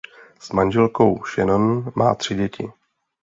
S manželkou Shannon má tři děti.